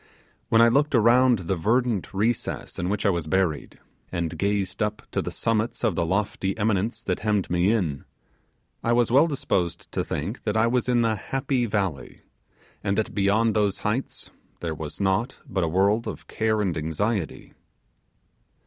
When I looked around the verdant recess in which I was buried, and gazed up to the summits of the lofty eminence that hemmed me in, I was well disposed to think that I was in the 'Happy Valley', and that beyond those heights there was naught but a world of care and anxiety.